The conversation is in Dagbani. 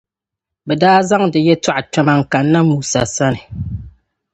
bɛ daa zaŋdi yɛtɔɣ’ kpɛma n-kana Musa sani na.